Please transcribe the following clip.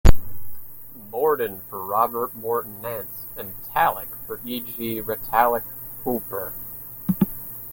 "Mordon" for Robert Morton Nance, and "Talek" for E. G. Retallack Hooper.